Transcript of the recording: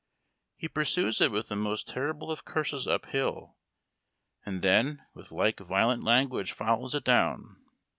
He pursues it with the most terrible of curses uphill, and then with like violent language follows it down.